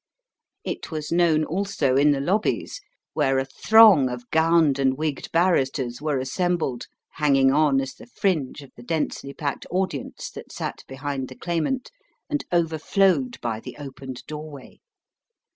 It was known also in the lobbies, where a throng of gowned and wigged barristers were assembled, hanging on as the fringe of the densely packed audience that sat behind the Claimant, and overflowed by the opened doorway.